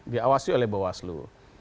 diawasi oleh bawaslu